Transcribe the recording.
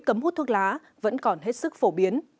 cấm hút thuốc lá vẫn còn hết sức phổ biến